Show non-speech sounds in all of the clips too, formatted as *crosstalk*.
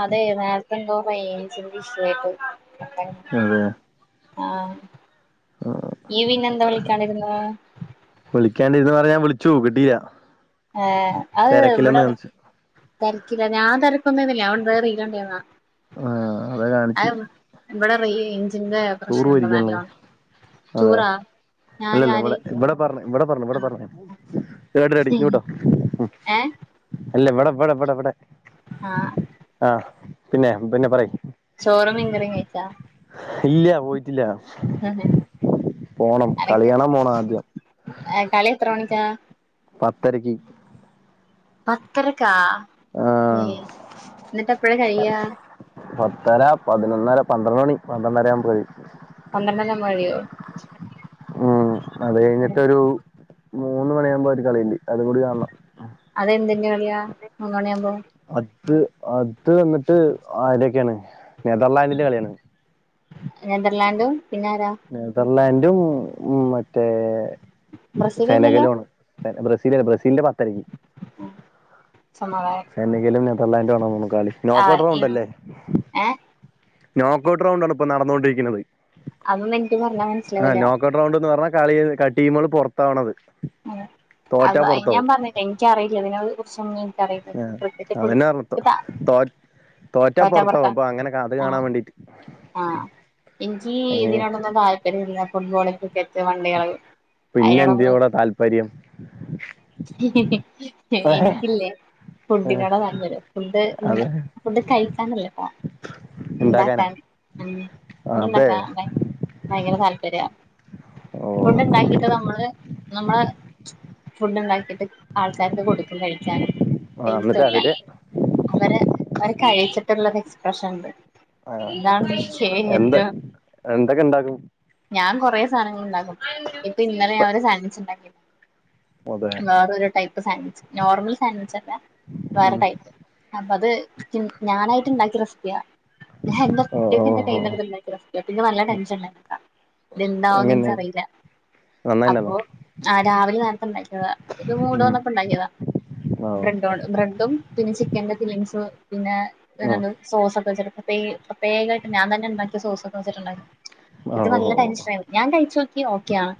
അതെ നേരത്തെ എന്തോ റേഞ്ചിന്റെ ഇഷുവായിട്ട് കട്ടായി അതെ ആഹ് നീ പിന്നെ എന്താ വിളിക്കാണ്ടിരുന്നേ? വിളിക്കാനിരുന്നുന്ന് പറഞ്ഞാൽ ഞാൻ വിളിച്ചു കിട്ടില്ല ഏയെ അത് എവിടാണ് തെരക്കിലാ ഞാൻ തെരക്കൊന്നുല്ല ഞാൻ മുൻപേ റീൽ കണ്ടിരുന്നയാ ആ അതാ കാണിച്ചു ഇവിടെ *unintelligible* റേയ്ഞ്ചിന്റെ- ടൂറ് പോയിരിക്കാണല്ലേ അതെ അല്ല ഞാന് അല്ല ആര് ഇവിടെ ഇവിടെ പ പറഞ്ഞ ഇവിടെ പറഞ്ഞു ഇവിടെ ആഹ് പറഞ്ഞു *unintelligible* ഏഹ് അല്ല ഇവടെ ഇവടെ ഇവടെ ഇവടെ ആഹ് ആഹ് പിന്നെ പിന്നെ പറയ് ചോറും മിൻ കറിയും കഴിക്കാം ഇല്ലി ഇല്ലിയ പോയിട്ടില്ലാ ഉ *unintelligible* പോണം കളി കാണാൻ പോണം ആദ്യം ഏഹ് കളി എത്ര മണിക്കാ? പത്തരെക്ക് പത്തരെക്കാ ആ ഏഹ് എന്നിട്ട് എപ്പഴാ കഴിയാ? പത്തെര പതിനൊന്നര പന്ത്രണ്ട് മണി പന്ത്രണ്ടര ആവുമ്പോ കഴിയും പന്ത്രണ്ട് മണിയാമ്പോ കഴിയോ? ഉം അത് കഴിഞ്ഞിട്ട് ഒരു മൂന്ന് മണിയാവുമ്പോ ഒരു കളിയ്ണ്ട്. അതെന്തിന്റെ കളിയാ മൂന്ന് മണിയാവുമ്പോ? അത് അത് വന്നിട്ട് ആരുടെയൊക്കെയാണ് നെതർലാൻഡിന്റെ കളിയാണ് നെതർലാൻഡും പിന്നെ ആരാ? നെതർലാൻഡും ഉം മറ്റേ ബ്രസീലല്ലല്ലോ സെനകലും ആണ് *unintelligible* ബ്രസീലല്ലാ ബ്രസീലിന്റെ പത്തരെക്ക് സമാധാനം സെനെകലും നെദർലാൻ്റും ആണ് തോനുന്നു കളി ആഹ് നോക്കൌട്ട് ഇ ഏഹ് നോക്കൗട്ട് റൗണ്ടാണ് ഇപ്പോ നടന്നോണ്ടിരിക്ക്ണത് അതൊന്നും എനിക്ക് പറഞ്ഞാ മനസ്സിലാവൂല്ലാ റൗണ്ട്ന്ന് പറഞ്ഞാ കളി ടീമുകൾ പൊറത്താവണത് അത് അയ് ഞാൻ പറഞ്ഞില്ലേ എനിക്കറിയില്ല അതിനെ കുറിച്ചൊന്നും എനിക്കറിയില്ലാ ക്രിക്കറ്റ് അതന്നെ പറഞ്ഞ *unintelligible* തോ തോറ്റാ പൊറത്താവും അപ്പ അങ്ങനെ ക അത് ആഹ് കാണാൻ വേണ്ടി ആഹ് എനിക്ക് ഏ ഇതിനോടൊന്നും താല്പര്യം ഇല്ലാ ഫുട്ബോള് ക്രിക്കറ്റ് വണ്ടികള് പിന്നെ അതിനോടൊന്നും എന്തിനോടാ താല്പര്യം എനിക്കില്ലേ ഫുഡിനോടാ താൽപര്യം ഫുഡ് ഇണ്ടാ അതെ ഫുഡ് കഴിക്കാനല്ലട്ടോ ഉണ്ടാക്കാനാ ഇണ്ടാക്കാന് ഉം ഫുഡ് അതെ ഇണ്ടാക്കാൻ ഭയ് ഭയങ്കര താല്പര്യാ ഓ ഫുഡ് ഇണ്ടാക്കീട്ട് നമ്മള് നമ്മള് ഫുഡ് ഇണ്ടാക്കിയിട്ട് ആൾക്കാർക്ക് കൊടുക്കും കഴിക്കാന് ആ എന്നിട്ട് അവര് *unintelligible* അവരെ അവര് കഴിച്ചിട്ടുള്ളൊരു എക്സ്പ്രഷൻ ഇണ്ട് ആ എന്താണ് എന്ത് *unintelligible* എന്തൊക്കെ ഇണ്ടാക്കും ഞാൻ കൊറെ സാധനങ്ങൾ ഇണ്ടാക്കും ഇപ്പൊ ഇന്നലെ ഞാന് ഒരു സാൻവിച്ച് ഇണ്ടാക്കി അതെ വേറൊരു ടൈപ്പ് സാൻവിച്ച് നോർമൽ സാൻവിച്ച് അല്ലാ വേറെ ഉം ടൈപ്പ് അപ്പ അത് ഇക്ക് ഞാനായിട്ട് ഇണ്ടാക്കിയ റെസിപ്പിയാ എൻ്റെ *unintelligible* ഓ ഓ ഓ റെസിപ്പിയാ പിന്നെ നല്ല ടെൻഷൻ ഇണ്ടാക്കി *unintelligible* ഇത് എന്താവൂന്ന് എനിക്കറിയില്ലാ നന്നായി *unintelligible* ആഹ് രാവിലെ നേരത്തെ ഇണ്ടാക്കിയെതാ ഒരു മൂട് ഉം വന്നപ്പോ ഇണ്ടാക്കിയെതാ ഓ ബ്രഡ് ബ്രെഡും പിന്നെ ചിക്കന്റെ ഫില്ലിംഗ്സും പിന്നെ ഓ *unintelligible* സോസൊക്കെ ചേർത്ത്ട്ടീ വേഗാട്ട് ഞാൻ തന്നെ ഇണ്ടാക്കിയ സോസൊക്കെ വെച്ച്ട്ട് ഇണ്ടാക്കി പിന്നെ ഓ ഓ നല്ല ഓ ടെൻഷൻ ആയിരുന്നു ഞാൻ കഴിച്ചു നോക്കി ഓക്കെ ആണ്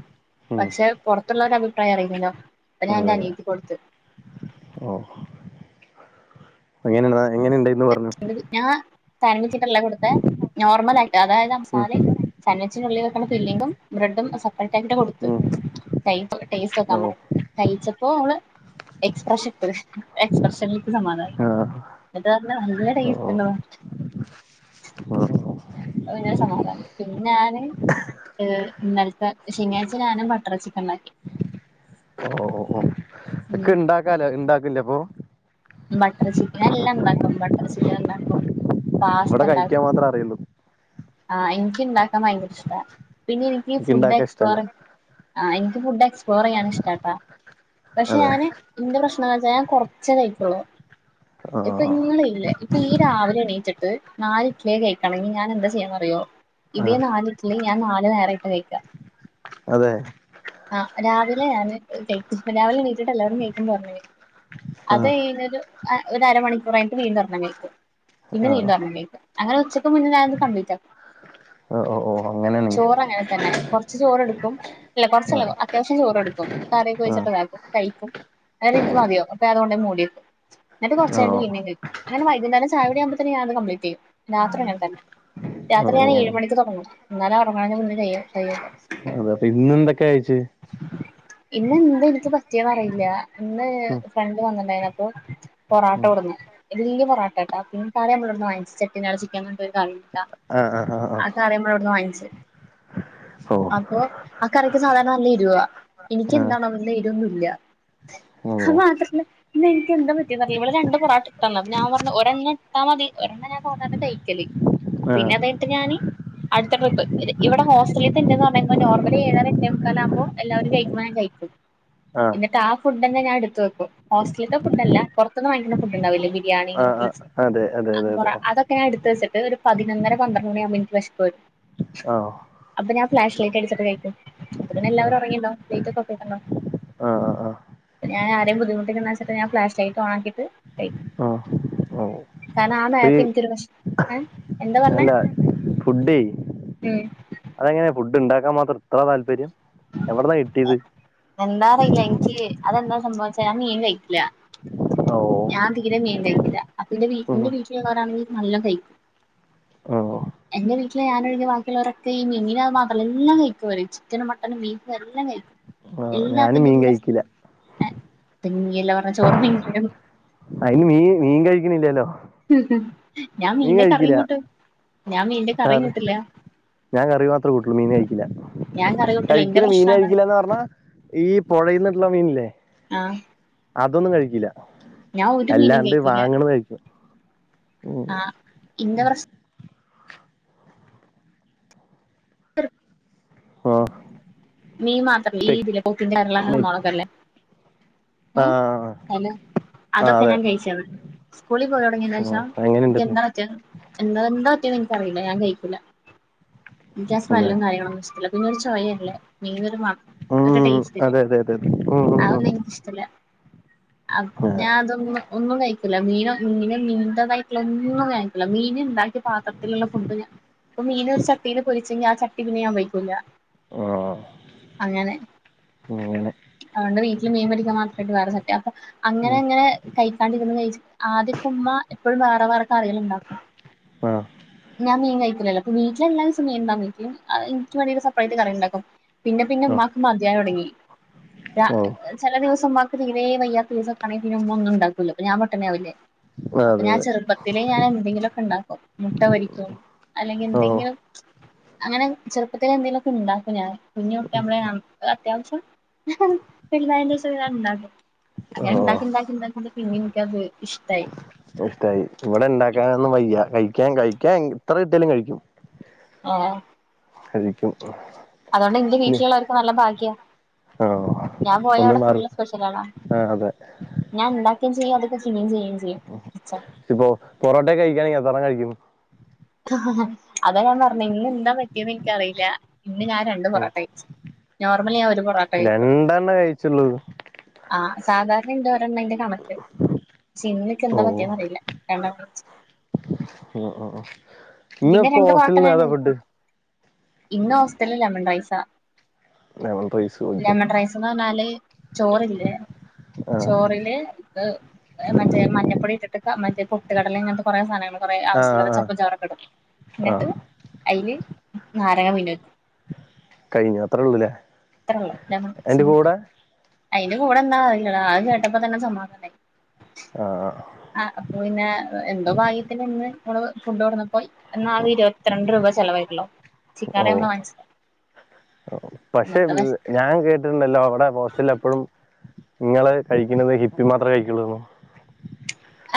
ഉം പക്ഷെ പൊറത്തുള്ളവരേ അഭിപ്രായം അറിയില്ലല്ലോ അപ്പം ഞാൻ എൻ്റെ അനിയത്തിക്ക് കൊടുത്ത് ഓഹ് എങ്ങനെണ്ട്ന്നാ എങ്ങനെ ഇണ്ട്ന്ന് പറഞ്ഞു ഞാ *unintelligible* കൊടുത്തെ നോർമൽ ആയിട്ട് അതായത് ആ ഉം മസാലേം സാൻവിച്ച്ന് ഉള്ളിൽ വെക്കണ ഫില്ലിങും ബ്രെഡും സെപ്പറേറ്റ് ആക്കീട്ടാ കൊടുത്ത് ഉം കയ് ടേസ്റ്റോക്കാൻ ഓ *unintelligible* കയിച്ചപ്പോ ഓള് എക്സ്പ്രഷൻ ഇട്ട് എക്സ്പ്രഷനില് ഇനിക്ക് സമാധാനായി ആ *unintelligible* നല്ല ഓ ഓ ടേസ്റ്റ്ണ്ട് *unintelligible* ഓ അത് അങ്ങനെ സമാധാനായി പിന്നെ ഞാന് ഏ ഇന്നലത്തെ ശനിയാഴ്ച ഞാനും ബട്ടർ ചിക്കൻ ഇണ്ടാക്കി ഓ ഓ ഓ ഉം ഒക്കെ ഇണ്ടാക്കാലോ ഇണ്ടാക്കല്ലെ അപ്പോ ബട്ടർ ചിക്കൻ എല്ലാം ഇണ്ടാക്കും ബട്ടർ ചിക്കൻ ഇണ്ടാക്കും പാസ്ത ഇവിടെ കഴിക്കാൻ ഇണ്ടാക്കും മാത്രം അറിയുള്ളൂ ആ എനിക്ക് ഇണ്ടാക്കാൻ ഭയങ്കര ഇഷ്ട പിന്നെ എനിക്ക് ഫുഡ് ഇണ്ടാക്കാൻ ഇഷ്ടല്ല എക്സ്പ്ലോർ ആ ഇനിക്ക് ഫുഡ് എക്സ്പ്ലോർ ചെയ്യൻ ഇഷ്ടട്ടാ പക്ഷെ അതെ ഞാന് എന്റെ പ്രശ്നംന്ന് വെച്ചാൽ ഞാൻ കൊറച്ചേ കയിക്കൊള്ളു ആ ഇപ്പൊ ഇങ്ങളില്ലേ നീ രാവിലെ എണീറ്റിട്ട് നാല് ഇട്ട്ലി കഴിക്കണങ്കി ഞാൻ എന്താ ചെയ്യാന്നറിയോ ആ ഇതേ നാലിട്ട് ലി ഞാൻ നാല് നേരായിട്ട് കഴിക്കാ അതെ ആഹ് രാവിലെ ഞാൻ കയ്ക്ക രാവിലെ നീറ്റിട്ട് എല്ലാവരും കഴിക്കുന്ന് പറഞ്ഞ് ആഹ് അതഴിഞ്ഞ് അ ഒരു അരമണിക്കൂറായിട്ട് വീണ്ടും ഒരണം കഴിക്കും പിന്നെ ആഹ് വീണ്ടും ഒരണ്ണം കഴിക്കും അങ്ങനെ ഉച്ചയ്ക്ക് മുന്നേ ഞാനിത് കംപ്ലീറ്റ് ആക്കും ഓഓ അങ്ങനെ ചോറ് അങ്ങനെ തന്നെ കൊറച്ച് ചോറെടുക്കും അല്ല കുറച്ചല്ല അത്യാവശ്യം ആഹ് കൊറച്ചല്ല അത്യാവിശ്യം ചോറെടുക്കും കറിയൊക്കെ ഒഴിച്ചിട്ട്താക്കും കഴിക്കും അതന്നെ എനിക്ക് മതിയാവും അപ്പൊ ഞാനത് കൊണ്ടോയി മൂലയിലിടും ആഹ് എന്നിട്കൊറച്ചയ്ഞ്ഞ് ഓഹ് പിന്നെയും കഴിക്കും അങ്ങനെ വൈകുനേരം ചാ യുടിആവുമ്പതേനും ഞാനത് കംപ്ലീറ്റെയും രാത്രി അങ്ങന തന്നെ രാത്രി ഞാൻ ഓഹ് ഏഴ് മണിക്ക് തൊടങ്ങും എന്നാലെ ഒറങ്ങണ നെ *unintelligible* അതെ അപ്പൊ ഇന്നന്തൊക്കെകഴിച്ചേ പിന്നെ ഇന്ന് എനിക്ക് പറ്റി യെന്നറിയില്ല ഇന്ന് ഉം ഫ്രണ്ട് വന്നിണ്ടായിന് അപ്പൊ പൊറാട്ട കൊട്ന്ന് വലിയ പൊറാ ട്ടാ പിന്ന കറി നമ്മളോടുന്ന് വാങ്ങിച്ച് ചേട്ടിനാട് ചിക്കൻന്ന് പറഞ്ഞിട്ടൊരു കറിട്ടാ ആഹ് ആ ആ ആ കറി നമ്മളിവിടുന്ന് വാങ്ങിച്ച് ഓഹ് അപ്പൊ ആ കറിക്ക് സാധാരണ നല്ല എരുവാ ആഹ് എനിക്കന്താണോ നല്ല എരിവൊന്നുല്ലഅത് ഓഹ് മാത്രല്ല ഇന്നെനിക്കെന്താ പറ്റിയെന്നറിയില്ല ഇവള് രണ്ട് പൊറാട്ട ഇട്ടന്ന് ഞാൻ പറഞ്ഞു ഒരെണ്ണം ഇട്ടാമതി ഒരെണ്ണം ഞാസാധാരണ കഴിക്കല് ആഹ് പിന്നെ അതഴിഞ്ഞിട്ട് ഞാന് അടുത്ത ട്രിപ്പ് ഇവിടെ ഹോസ്റ്റലിത്തെ ടൈമെന്നു പറഞ്ഞ നോർമലി ഏഴര എട്ടേ മുക്കാലകുമ്പോ എല്ലാവരും കഴിക്കുമ്പോ ഞാനും ചെയ്യും ആഹ് ആഹ് ഇന്നിട്ട് ആ ഫുഡന്നെ ഞാ എടുത്ത് വെക്കും ഹോസ്റ്റലിത്തെ ഫുഡല്ല പുറത്തുന്ന് വാങ്ങിക്കുന്ന ഫുഡ്ണ്ടാവില്ലേ ബിരിയാണി ആഹ് ന്യൂഡിൽസ് അതെ അതെ അതെ അതെ പൊറാ അതൊക്കെ ക്കെ ഞാ ഇടുത്ത് വച്ചിട്ട് ഒരു പതിനൊന്നര പന്ത്രണ്ടണിയാവുമ്പോ ഇനിക്ക് വെശപ്പരും ആഹ് അപ്പ ഞാൻ ഫ്ലാഷ് ലൈറ്റ്ടിച്ചിട്ട് കഴിക്കും അപത്തിന്നെല്ലാരും ഉറങ്ങിണ്ടാവും ലൈറ്റോക്കെ ഓഫിതിട്ട്ണ്ടാവും ആഹ് ആഹ് ഞാൻ ആരെയും ബുദ്ധിമു ച്ച ഞാഫ്ലാഷ്ലൈറ്റ് ഓണാക്കിട്ട് കഴിക്കും ആഹ് ഓഹ് കാരണം ആ നേരത്ത് ഇൻക്കൊരു വെശപ്പ് നല്ല ഫുഡേ ഉം അതെങ്ങനെയാ ഫുഡ് ഇണ്ടാക്കാൻ മാത്രം ഇത്ര താല്പര്യം എവിട്ന്നാ കിട്ടിയേത് എന്താ അറിയില്ല ഇനിക്ക് അതെന്താ സംഭവച്ചാ ഞാ മീ കഴിക്കില്ല ഓഹ് ഞാതീരെ മീകഴിക്കില്ല അപ്പൊ ഇന്റെ ഉം ഇന്റെ വീട്ടിലുള്ളോരാണെങ്കി നല്ലോ കഴിക്കും ആ എന്റെ വീട്ടില് ഞാനൊഴികെ ബാക്കിയുള്ളോരൊക്കെ ഈ മീന് മീൻ മാത്രല്ല എല്ലാം കഴിക്കവര് ചിക്കനും മട്ട ബീഫ് എല്ലാം കഴിക്കും ആഹ് ഞാന് എല്ലാത്തിന്റെ മീൻ കഴിക്കില്ല *inaudible* അയിന് മീ മീൻ കഴികിണില്ലല്ലോ ഞാം മീന്റെ കറിയും കൂട്ടും ഞാം മീന്റെ കറിയും കറി കൂട്ടില്ലാ ഞാൻ കറി മാത്രെ കൂട്ടാെള്ളു മീന് കഴിക്ക്യില്ലാ ഞാൻ കറി കൂട്ടല്ല ഇന്റെ കഴിക്ക്യില്ല മീന് പ്രശ്നാണ് കഴിക്ക്യില്ലാന്ന് പർഞ്ഞാ ഈ പൊഴേന്ന് കിട്ട്ണ മീൻല്ലേ ആഹ് അതൊന്നും കഴിക്ക്യില്ലാ ഒരു മീനും അല്ലാണ്ട് വാങ്ങ്ണെത് കഴി ആഹ് ഇന്റെ പ്രെശ് *unintelligible* ആ നീം മാത്ര *unintelligible* ഈ ത്‌ല്ലേ പോപ്പിംഗ് കേരളാ *unintelligible* സംവങ്ങളൊക്കെല്ലേ ആ ഏഹ് ഹെലോ ആ അതൊക്കെ അതെ ഞാൻ കെയ്ച്ച്ണ് സ്കൂളി പോയൊട്ങ്ങ്യേനേഷാ അങ്ങനെണ്ടല്ലേ ൻക്ക്യെന്താ പറ്റ്യേത് എന്താ എന്താ പറ്റ്യേന്ന് ഇൻക്കറീല ഞാൻ കയ്ക്കൂലാ. ഇൻക്ക്യാ അതെ സ്മെല്ലും കാര്യങ്ങളൊന്നും ഇഷ്ടല്ലാ. പിന്നൊരു ചാെയെല്ലേ മീനൊര് മ ഒര് ഉം ടേസ്റ്റ്ല്ല്യാ അതെ അതെ അതെ അതെ ഉം ഉം അതൊന്നും ഇൻക്ക്ഷ്ട്ടല്ലാ അം ആ ഞാൻ അതൊന്നു ഒന്നും കയ്ക്കൂല മീനാെ മീനും മീൻന്റെതായ്ട്ട്ള്ള ഒന്നും ഞായ്ക്കൂലാ മീന്ണ്ടാക്കി പാത്രത്തില്ള്ള ഫുഡ്ഡ് പ്പൊ മീനാെര് ചട്ടീല് പൊരിച്ചെങ്കി ആ ചട്ടി പിന്നെ ഞാം ഉപയ്ക്കൂലാ ആഹ് അങ്ങെനെ അത്കൊണ്ട് വീട്ട്ല് മീൻ പൊരിക്കാം മാത്രായ്ട്ട് വേറെ ചട്ട്യാ അപ്പൊ അങ്ങെനെ അങ്ങെനെ കയ്ക്കാണ്ടിര്ന്ന് കയ്ച്ച് ആദ്യാെക്കെ ഉമ്മാ എപ്പഴും വേറെ വേറെ കറികെള്ണ്ടാക്കും ആ ഞാൻ മീൻ കയ്ക്കൂലല്ലോ പ്പൊ വീട്ട്ല് എല്ലാ ദിവ്സും മീൻണ്ടാവും വീട്ട്ല് അഹ് ഇൻക്ക്യ് വേണ്ടീട്ട് സപ്പ്റേറ്റ് കറിണ്ടാക്കും പിന്നെ പിന്നെ ഓ ഇമ്മാക്ക് മത്യാവ്‌ലൊട്ങ്ങി രാ ഓ ചെല ദിവ്സം ഉമ്മാക്ക് തീരേ വയ്യാത്തീസാെക്കേണെങ്കി പിന്നെ ഉമ്മ ഒന്നുംണ്ടാക്കുല്ല പ്പ ഞാം പട്ടിണ്യാവില്ലേ അപ്പ അതെ ഞാൻ അതെ ചെറ്പ്പത്തിലേ ഞാനെന്തെങ്കിലൊക്കെണ്ടാക്കും മു ട്ട പൊരിക്കും അല്ലെങ്കി ഓ എന്തെങ്കിലാെ അങ്ങെനെ ചെർപ്പത്തിലേ എന്തേലൊക്കെണ്ടാക്കും ഞാൻ കുഞ്ഞ്കുട്ട്യാവുമ്പളേ ഞാം അത്യാവ്ശ്യം വെൽതായേന്റേഷും ഞാണ്ടാക്കും ഓ അങ്ങെനെണ്ടാക്കിണ്ടാക്കിണ്ടാക്കിണ്ട് പിന്നെ ഇൻക്ക്യത് ഇഷ്ട്ടായി ഇഷ്ട്ടായി പുവട ണ്ടാക്കാനൊന്നും വയ്യ കഴിക്ക്യാൻ കഴിക്ക്യാൻ എ ത്ര കിട്ട്യാലും കഴിക്ക്യും ആഹ് കഴിക്കും അതോണ്ട് ഇന്റെ വീട്ടില്ള്ളവർക്ക് നല്ല ഭാഗ്യാ ആഹ് ഞാം പോയാ ഒന്ന് അവ്ടെ മാറി ഫുള്ള് സ്പെഷ്യെലേളാ ആ അതെ ഞാൻ ഇണ്ടാക്കേം ചെയ്യും അതൊക്കെ *unintelligible* ചെയ്യേം ചെയ്യും ഇപ്പോ പൊറോട്ടാെക്കെ കഴിക്ക്യാണെങ്കി എത്രെണം കഴിക്ക്യും അതാ ഞാൻ പർഞ്ഞേ ഇന്നെന്താ പറ്റ്യേന്ന് ഇൻക്ക്യറീലാ ഇന്ന് ഞാൻ രണ്ട് പൊറാട്ട കയ്ച്ച് നോർമെലി ഞാൻ ഒര് പൊറാ രണ്ടെണ്ണെ കഴിച്ചൊള്ളു ആഹ് സാധാരണെന്റെ ഒരെണ്ണാ ഇന്റെ കണെക്ക്‌ ഷേ ഇന്ന്ക്ക് ഓ എന്താ പറ്റ്യേന്നറിയില്ല രണ്ടെണ്ണം കയ്ച്ച് ആഹ് പിന്നെ രണ്ട് പൊറോട്ട ഞാൻ ഇന്ന്പ്പോസ്റ്റെൽന്നേതാ ഫുഡ്ഡ് കഴിക്കും ഇന്ന് ഹോസ്റ്റൽല് ലെമെൺ റൈസാ ലെമൺ റൈസ് കഴിച്ചു ലെമെൺ റൈസ്ന്ന് പർഞ്ഞാല് ചോറ്ല്ലേ ആ ചോറില് ത് മറ്റേ മഞ്ഞപ്പൊടി ഇട്ടിട്ട് ക മറ്റേ പൊട്ട് കടലേം ഇങ്ങൻത്തെ കൊറേ സാനങ്ങെള് കാെറേ ആ ആവശ്യള്ളെത് ആ ച പ്പം ചാറാെക്കെടും ആ ന്നെട്ട് അയ്ല് നാരങ്ങ പീഞ്ഞൊയ്ക്കും കയ്ഞ്ഞു അത്രാെള്ളുലേ അയ്ന്റെ കൂടേ അയ്ന്റെ കൂടന്നാ *unintelligible* അത് കേട്ടപ്പോ തന്നെ സമാധാനായി ആഹ് *unintelligible* ആഹ് അപ്പോ പിന്നെ എന്തോ ഭാഗ്യത്തിന് ഇന്ന് നമ്മള് ഫുഡ്‌ കൊടുവന്നപ്പോയി എന്നാ ഇരുവത്രണ്ട് രൂപ ചെലവായിട്ടൊള്ളു ചിക്കങ്കറി നമ്മള് വാങ്ങിച്ചു. പക്ഷേ ഞാൻ കേട്ടിട്ടുണ്ടല്ലോ അവടെ ഹോസ്റ്റല് എപ്പഴും ഇങ്ങള് കഴിക്കുന്നത് ഹിപ്പി മാത്രേ കഴിക്കുള്ളൂന്ന്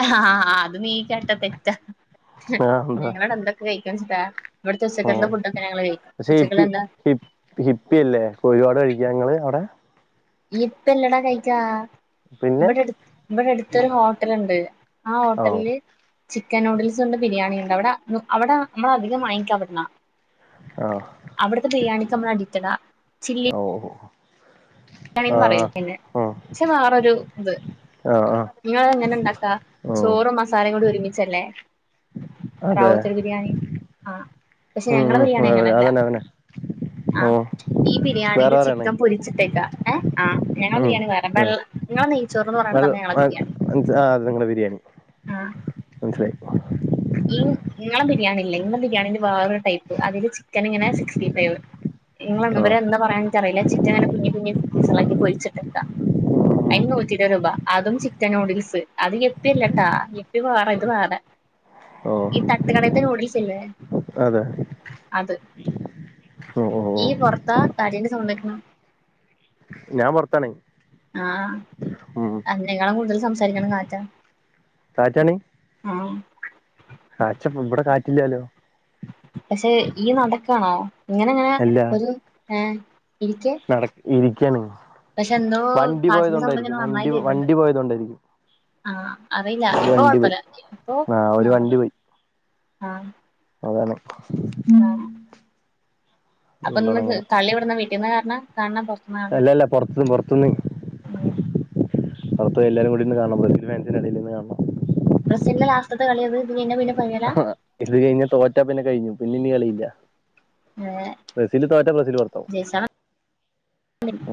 ആഹ് ആഹ് അത് നീ കേട്ടതെറ്റാ *unintelligible* ആ എന്താ എന്തൊ *unintelligible* ഇവടെ ഉച്ചക്കത്തെ ഫുഡ്ക്കെ ഞങ്ങള് കഴി പക്ഷേ ഹിപ്പി ഹി ഹിപ്പില്ലേ ഒരുപാട് കഴിക്ക്യാ ഇങ്ങള് അവടെ ഇപ്പി അല്ലടാ കഴിക്കാ പിന്നെ ഇവടെ അട് ഇവടെ അടുത്തൊരു ഹോട്ടല്ണ്ട് ആ ഓ ഹോട്ടല് ചിക്കൻ നൂഡിൽസ്ണ്ട് ബിരിയാണിണ്ട് അവടെ അവടെമ്മള് അധികം വാങ്ങിക്കാവ്ട്ന്നാ ആഹ് അവട്ത്തെ ബിരിയാണിക്ക്മ്മള് അടിറ്റടാ ചില്ലി ഓ *unintelligible* പറയും ആഹ് പിന്നെ ആഹ് പക്ഷേ വേറോരു ഇത് ആഹ് ആഹ് ഇങ്ങളെങ്ങനെ ഇണ്ടാക്ക ഓ ചോറും മസാലേം കൂടി ഒരുമിച്ചല്ലേ അതെ റാവുത്തറ്ബിരിയാണി ആഹ് പക്ഷെ ഉം ഞങ്ങള ഉം ബിരിയാണി അങ്ങനല്ല അതന്നെ അതന്നെ ഓ ആഹ് ഈ വേറെ ബിരിയാണില് പറയണേ ചിക്കൻ പൊരിച്ചിട്ടേക്ക ഏഹ് ആഹ് ഞങ്ങള ഉം ബിരിയാണി വേറെ വെള്ള ഇങ്ങള നെയ്ച്ചോറ്ന്ന് പറയണത് ആണ് ഞങ്ങളെ ബിരിയാണി മൻസ് ആഹ് അത് നിങ്ങടെ ബിരിയാണി മൻസ്സിലായി ഇങ്ങ് ഇങ്ങളെ ബിരിയാണിയില്ലേ ഇങ്ങളെ ബിരിയാണിന്റെ വേറോരു ടൈപ്പ് അതില് ചിക്കന്ങ്ങനെ സിക്സ്റ്റിഫൈവ് ഇങ്ങള് *unintelligible* ആഹ് വരെന്താ പറയാന് ഇക്ക് അറിയില്ല്യ ചിക്കന്ങ്ങനെ കുഞ്ഞ് കുഞ്ഞ് പീസ്കളാക്കി പൊരിച്ചിട്ടെക്കാ ഉം അയിന് നൂറ്റി ഇര്പത് രൂപ അതും ചിക്കൻനൂഡിൽസ് അത് എപ്പില്ലട്ടാ എപ്പി വേറെ ഇത് വേറെ ഓ ഈ തട്ട്കടേത്തെ നൂഡീൽസില്ലേ അതെ അത് ഓ ഓ ഓ ഇയ്യ് പൊറത്താ കാറ്റിന്റെ സൗണ്ടേക്ക്ണു ഞാൻ പൊറത്താണ്. ആഹ് അന്നേക്കാളും കൂടുതലും സംസാരിക്കണേ കാറ്റാ കാറ്റാണ് ആ കാച്ച ഇബടെ കാറ്റില്ലാലോ പക്ഷെ ഇയ്യ് നടക്കാണോ ഇങ്ങനെ ഇങ്ങനെ അല്ല ഒരു ഏഹ് ഇരിക്കെ നട ഇരിക്കാണ് പക്ഷെ എന്തോ വണ്ടി പോയത് കാറ്റിന്റെ കൊണ്ടായിരിക്കും വണ്ടി വണ്ടി പോയത് കൊണ്ടായിരിക്കും ആഹ് അറില്ല ഇപ്പ പോയി കൊഴപ്പല്ല ഇപ്പൊ ആഹ് ഒരു വണ്ടി നോർമലാ പോയി ആഹ് അതാണ് ആഹ് അപ്പന്ന് അതുകൊണ്ടാണ് അങ്ങനെ കളി എവടന്ന വീട്ടിന്നാ കാണണെ കാണണ പൊറ അല്ലല്ല പൊറത്ത് പൊറത്ത്ന്ന് ഉം പൊറത്ത് എല്ലാരും കൂടിന്ന് കാണണം ബ്രസീൽ ഫാൻസിന് എടെൽ നിന്ന് കാണണം ബ്രസീലിന്റെ ലാസ്‌റ്റത്തെ കളിയാത് ഇത് കഴിഞ്ഞാ പിന്നെ ഫൈനലാ ആഹ് ഇത് കഴിഞ്ഞ തോറ്റാ പിന്നെ കഴിഞ്ഞു പിന്നെ ഇനി കളിയില്ല ഏ ബ്രസീല് തോറ്റ ബ്രസീല് പൊറത്താവും ജയിച്ചാ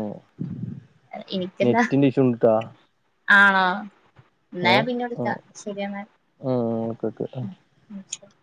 ഉം എനിക്കല്ല നെറ്റിന്റെ ഇഷുണ്ട്‌ട്ടാ ആണോ ഇന്നാ ഞാൻ പിന്നെ വിളിക്കാ ആഹ് ശരിയെന്നാ ആഹ് ഓക്കെ ഓക്കെ ഉം ഉം ശെരി